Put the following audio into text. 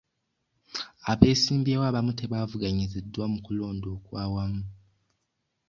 Abeesimbyewo abamu tebavuganyiziddwa mu kulonda okwa wamu.